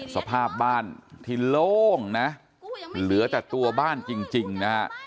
สภาพบ้านที่โล่งนะเหลือแต่ตัวบ้านจริงนะฮะ